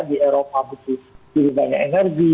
di eropa butuh lebih banyak energi